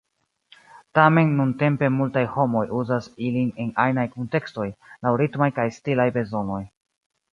Tamen nuntempe multaj homoj uzas ilin en ajnaj kuntekstoj, laŭ ritmaj kaj stilaj bezonoj.